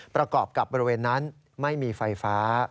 ประกอบกับบริเวณนั้นไม่มีไฟฟ้า